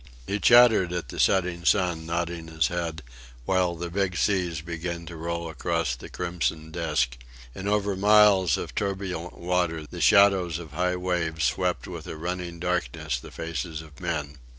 He chattered at the setting sun, nodding his head, while the big seas began to roll across the crimson disc; and over miles of turbulent waters the shadows of high waves swept with a running darkness the faces of men.